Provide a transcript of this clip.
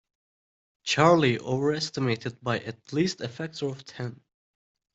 Charlie overestimated by at least a factor of ten.